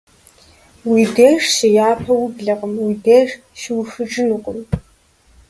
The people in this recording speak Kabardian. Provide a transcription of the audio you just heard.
Уи деж щыяпэ ублэкъым, уи деж щиухыжынукъым.